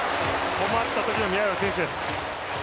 困ったときの宮浦選手です。